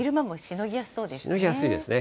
しのぎやすいですね。